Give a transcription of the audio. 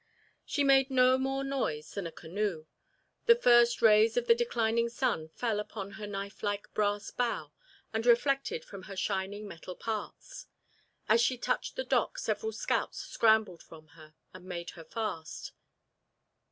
She made no more noise than a canoe. The first rays of the declining sun fell upon her knife like brass bow and reflected from her shining metal parts. As she touched the dock several scouts scrambled from her and made her fast.